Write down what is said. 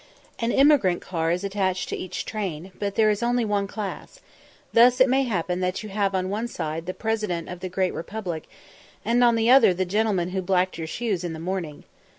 An emigrant car is attached to each train, but there is only one class: thus it may happen that you have on one side the President of the Great Republic, and on the other the gentleman who blacked your shoes in the morning.